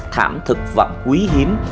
thảm thực vật quý hiếm